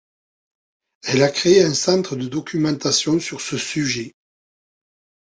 Elle a créé un centre de documentation sur ce sujet.